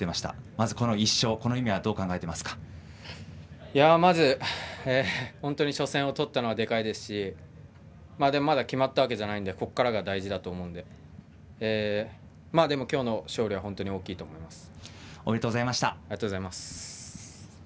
まず１勝の意味はまず、本当に初戦を取ったのはでかいですしまだ決まったわけじゃないのでここからが大事だと思うのででも今日の勝利は大きいと思います。